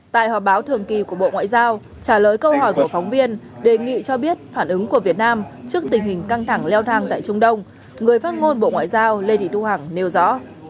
tại họp báo thường kỳ của bộ ngoại giao trả lời câu hỏi của phóng viên đề nghị cho biết phản ứng của việt nam trước tình hình căng thẳng leo thang tại trung đông người phát ngôn bộ ngoại giao lê thị thu hằng nêu rõ